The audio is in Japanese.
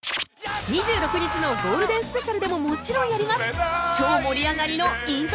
２６日のゴールデンスペシャルでももちろんやります！